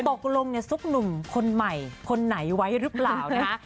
ตกลงสุขหนุ่มคนใหม่คนไหนไว้หรือเปล่านะ